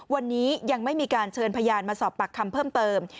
วันนี้ยังไม่มีการเชิญพยานมาสอบปากคำเพิ่มเติม